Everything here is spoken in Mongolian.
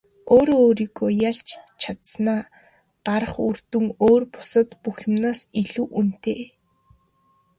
Өөрөө өөрийгөө ялж чадсанаа гарах үр дүн өөр бусад бүх юмнаас илүү үнэтэй.